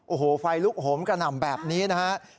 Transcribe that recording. โอ้โหไฟลุกโหมกระหน่ำแบบนี้นะครับ